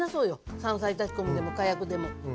山菜炊き込みでもかやくでも。